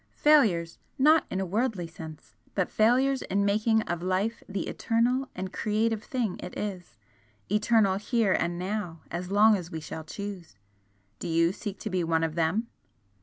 Failures not in a worldly sense but failures in making of life the eternal and creative thing it is eternal HERE and now, as long as we shall choose! Do you seek to be one of them?"